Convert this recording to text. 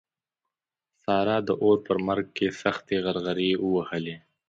سارا د اور په مرګ کې سختې غرغړې ووهلې.